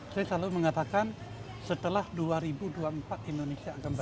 saya selalu mengatakan setelah dua ribu dua puluh empat indonesia akan berhasil